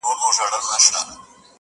شپږي څرنگه له سر څخه ټولېږي!.